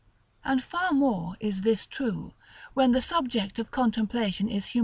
And far more is this true, when the subject of contemplation is humanity itself.